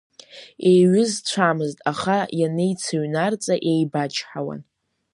Еиҩызцәамызт, аха ианеицыҩнарҵа еибачҳауан.